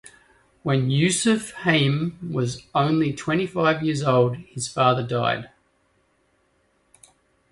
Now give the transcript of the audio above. When Yosef Hayim was only twenty-five years old, his father died.